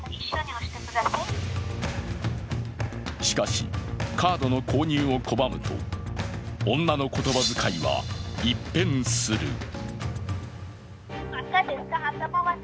しかし、カードの購入を拒むと、女の言葉遣いは一変する。